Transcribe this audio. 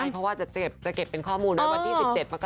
เพราะว่าจะเจ็บเป็นข้อมูลในวัตตี๑๗มค